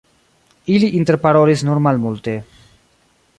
Ili interparolis nur malmulte.